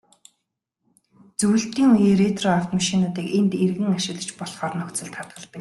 Зөвлөлтийн үеийн ретро автомашинуудыг энд эргэн ашиглаж болохоор нөхцөлд хадгалдаг.